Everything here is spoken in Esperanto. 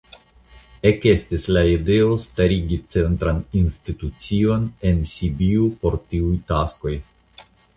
Ekestis la ideo starigi centran institucion en Sibiu por tiuj taskoj.